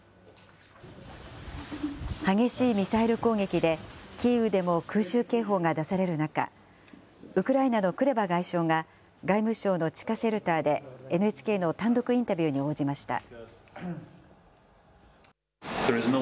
激しいミサイル攻撃で、キーウでも空襲警報が出される中、ウクライナのクレバ外相が外務省の地下シェルターで、ＮＨＫの単独インタビューに応じました。